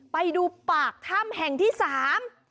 ไปดูปากถ้ำแห่งที่สาม